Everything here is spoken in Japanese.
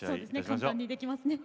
簡単にできますね。